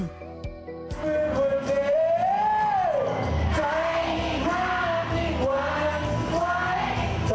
คุณคุณเดี๋ยวใครมีภาพที่หวังไว้